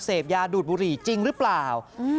เสพยาดูดบุหรี่จริงหรือเปล่า